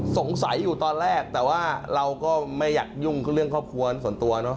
สงสัยอยู่ตอนแรกแต่ว่าเราก็ไม่อยากยุ่งเรื่องครอบครัวส่วนตัวเนอะ